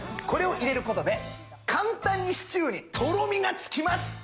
これを入れることで簡単にシチューにとろみがつきます。